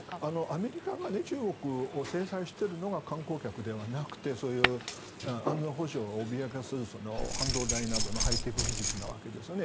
アメリカが中国を制裁しているのが観光客ではなくて安全保障を脅かす半導体などのハイテク技術なわけですよね。